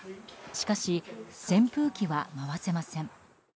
しかし扇風機は回せません。